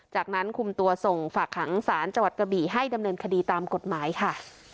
จากนั้นคุมตัวส่งฝากหางศาลจังหวัดกระบี่ให้ดำเนินคดีตามกฎหมายค่ะ